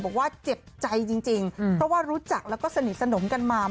บอกว่าเจ็บใจจริงเพราะว่ารู้จักแล้วก็สนิทสนมกันมา